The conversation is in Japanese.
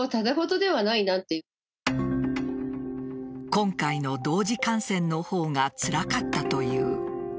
今回の同時感染の方がつらかったという。